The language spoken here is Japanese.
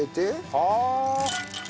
はあ。